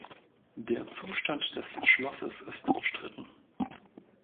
Der Zustand des Schlosses ist umstritten.